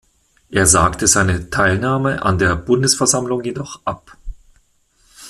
Er sagte seine Teilnahme an der Bundesversammlung jedoch ab.